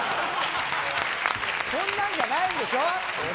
そんなんじゃないでしょ。